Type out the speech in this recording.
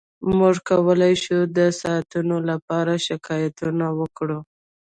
موږ کولی شو د ساعتونو لپاره شکایتونه وکړو